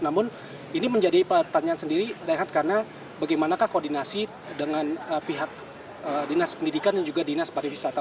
namun ini menjadi pertanyaan sendiri rehat karena bagaimanakah koordinasi dengan pihak dinas pendidikan dan juga dinas pariwisata